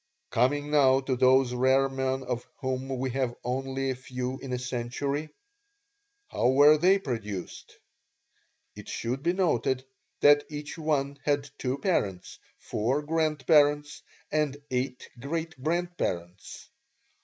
"Coming now to those rare men of whom we have only a few in a century, how were they produced? It should be noted that each one had two parents, four grandparents, and eight great grandparents.